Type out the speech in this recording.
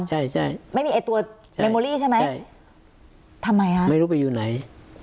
ใช่ใช่ไม่มีไอ้ตัวเมโมลี่ใช่ไหมใช่ทำไมฮะไม่รู้ไปอยู่ไหน